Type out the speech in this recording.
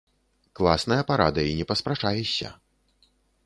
Класная парада, і не паспрачаешся.